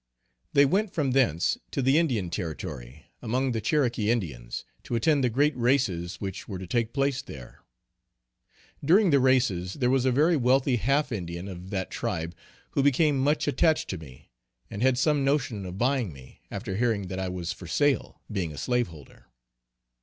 They went from thence to the Indian Territory, among the Cherokee Indians, to attend the great races which were to take place there. During the races there was a very wealthy half Indian of that tribe, who became much attached to me, and had some notion of buying me, after hearing that I was for sale, being a slaveholder.